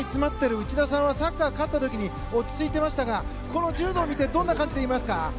内田さんはサッカー勝った時に落ち着いていましたがこの柔道を見てどう思いますか？